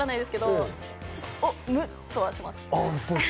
むっとはします。